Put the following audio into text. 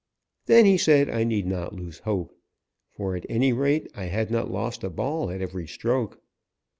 Then he said I need not lose hope, for at any rate I had not lost a ball at every stroke.